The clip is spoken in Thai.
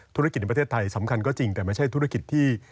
ธุรกิจในประเทศไทยสำคัญก็จริงแต่ไม่ใช่ธุรกิจที่